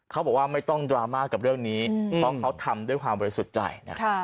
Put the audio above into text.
เขาบอกว่าไม่ต้องดราม่ากับเรื่องนี้เพราะเขาทำด้วยความบริสุทธิ์ใจนะ